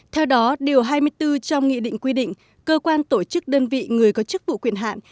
theo đó điều hai mươi bốn trong nghị định quy định cơ quan tổ chức đơn vị người có chức vụ quyền hạn